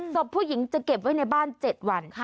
ศพผู้หญิงจะเก็บไว้ในบ้าน๗วัน